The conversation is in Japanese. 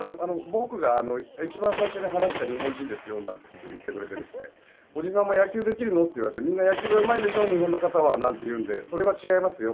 僕が一番最初に話した日本人ですなどと言ってくれておじさんも野球できるの？と言われてみんな野球うまいんでしょと日本の方は、なんて言うんでそれは違いますよ